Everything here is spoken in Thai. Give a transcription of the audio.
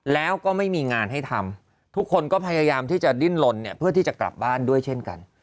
แล้วก็ไม่มีงานให้ทำทุกคนก็พยายามที่จะดิ้นลนเนี่ยเพื่อที่จะกลับบ้านด้วยเช่นกัน